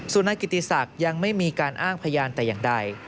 ส่วนนายกิติศักดิ์ยังไม่มีการอ้างพยานแต่อย่างใด